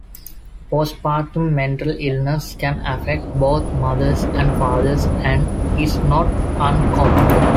Postpartum mental illness can affect both mothers and fathers, and is not uncommon.